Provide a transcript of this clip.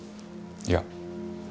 いや。